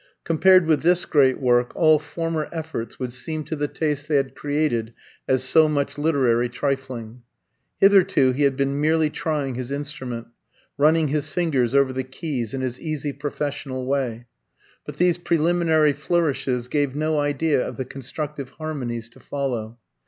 Compared with this great work, all former efforts would seem to the taste they had created as so much literary trifling. Hitherto he had been merely trying his instrument, running his fingers over the keys in his easy professional way; but these preliminary flourishes gave no idea of the constructive harmonies to follow.